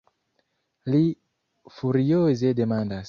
Li furioze demandas.